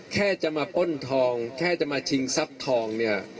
แค่จะมาป้นทองแค่จะมาชิงทรัพย์ทองเนี่ย